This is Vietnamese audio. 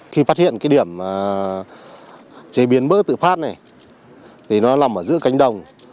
khi phát hiện cái điểm chế biến bữa tự phát này thì nó nằm ở giữa cánh đồng